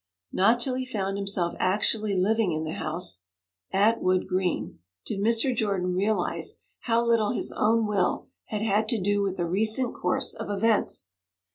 Not till he found himself actually living in the house at Wood Green did Mr. Jordan realize how little his own will had had to do with the recent course of events.